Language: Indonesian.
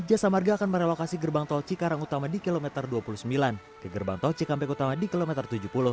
jasa marga akan merelokasi gerbang tol cikarang utama di kilometer dua puluh sembilan ke gerbang tol cikampek utama di kilometer tujuh puluh